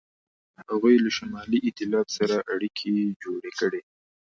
هغوی له شمالي ایتلاف سره اړیکې جوړې کړې.